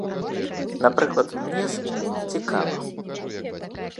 Напрыклад, мне з імі цікава.